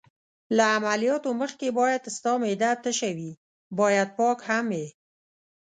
له عملیاتو مخکې باید ستا معده تشه وي، باید پاک هم یې.